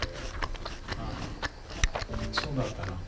あそうだったの。